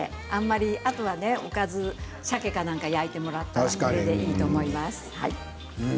あとおかずさけなんか焼いていただいたらいいと思います。